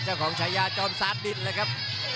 เจ้าของชายาจอมซาสดิชครับ